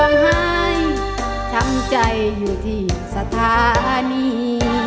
หายทำใจอยู่ที่สถานี